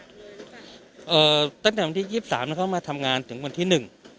เขาก็ทำงานมาทุกวันถึงวันที่สามเลยหรือเปล่าเอ่อตั้งแต่วันที่ยี่สิบสามเขามาทำงานถึงวันที่หนึ่ง